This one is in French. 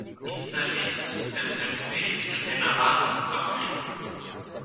Il s'agit d'un système d'accès et de démarrage sans clef.